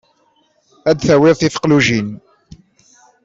Ad d-tawiḍ tifeqlujin.